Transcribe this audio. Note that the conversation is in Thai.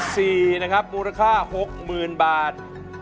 เลขที่๔นะครับมูลค่า๖๐๐๐๐บาท